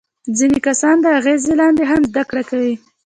ځینې کسان د اغیز لاندې هم زده کړه کوي.